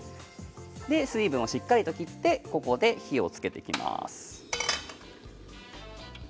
水分をしっかり切ってここで火をつけていきます。